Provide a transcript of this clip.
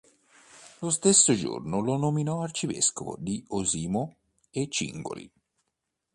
Lo stesso giorno lo nominò arcivescovo di Osimo e Cingoli.